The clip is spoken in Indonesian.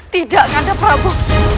tidak kandang prabu